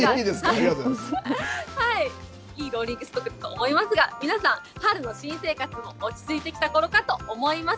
ありがとうございいローリングストックだと思いますが、皆さん、春の新生活も落ち着いてきたころかと思います。